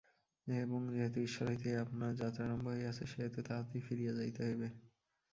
এবং যেহেতু ঈশ্বর হইতেই আপনার যাত্রারম্ভ হইয়াছে, সেহেতু তাঁহাতেই ফিরিয়া যাইতে হইবে।